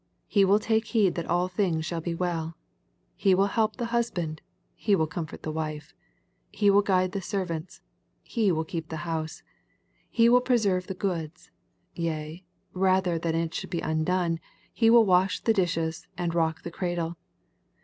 He will take heed that all tilings shall be well. He will help the hus band; he will comfort the wife. He will guide tfc© servants; he will keep the house ; he will preserve the goods ; yea, rather than it should be undone, he will wash the dishes, and rock the cradle.